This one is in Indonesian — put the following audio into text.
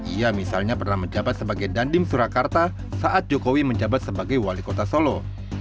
ia misalnya pernah menjabat sebagai dandim surakarta saat jokowi menjabat sebagai wali kota solo